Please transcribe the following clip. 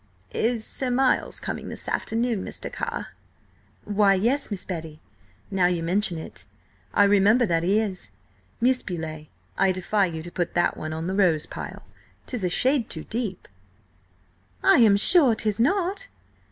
"Is Sir Miles coming this afternoon, Mr. Carr?" "Why yes, Miss Betty–now you mention it, I remember that he is. Miss Beauleigh, I defy you to put that one on the rose pile; 'tis a shade too deep." "I am sure 'tis not!